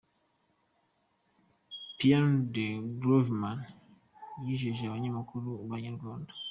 Piano The Grooveman yijeje umunyamakuru wa Inyarwanda.